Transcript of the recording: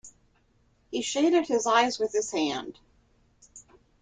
He shaded his eyes with his hand.